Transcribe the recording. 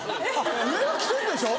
上は着てるでしょ？